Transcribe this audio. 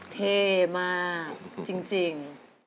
เท่มากจริง